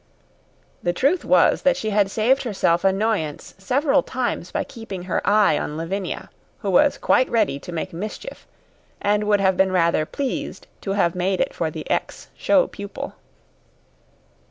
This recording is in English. The truth was that she had saved herself annoyance several times by keeping her eye on Lavinia, who was quite ready to make mischief, and would have been rather pleased to have made it for the ex show pupil.